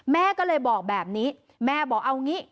แม่ก็เลยบอกแบบนี้แม่บอกเอางี้